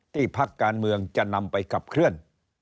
พักการเมืองจะนำไปขับเคลื่อน